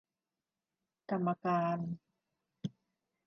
กรรมการ